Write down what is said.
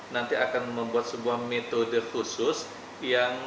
nanti akan membuat sebuah kota yang berbeda dan kita akan membuat sebuah kota yang berbeda